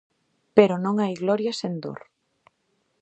Pero non hai gloria sen dor.